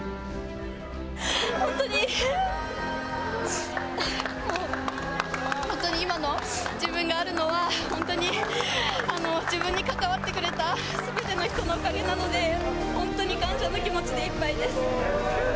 本当に、本当に今の自分があるのは、本当に自分に関わってくれたすべての人のおかげなので、本当に感謝の気持ちでいっぱいです。